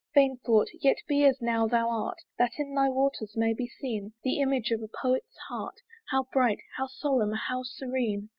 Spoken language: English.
Vain thought! yet be as now thou art, That in thy waters may be seen The image of a poet's heart, How bright, how solemn, how serene!